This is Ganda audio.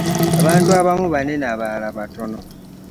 Abantu abamu banene abalala batono.